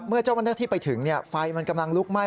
เมื่อเจ้าบัญชาที่ไปถึงไฟมันกำลังลุกไหม้